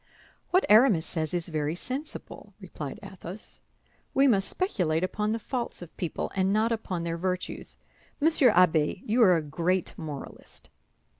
"What Aramis says is very sensible," replied Athos; "we must speculate upon the faults of people, and not upon their virtues. Monsieur Abbé, you are a great moralist."